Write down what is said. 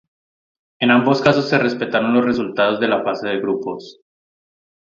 En ambos casos se respetaron los resultados de la fase de grupos.